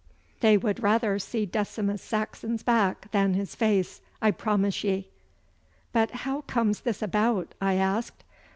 They would rather see Decimus Saxon's back than his face, I promise ye!' 'But how comes this about?' I asked.